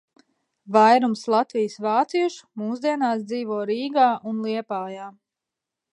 Vairums Latvijas vāciešu mūsdienās dzīvo Rīgā un Liepājā.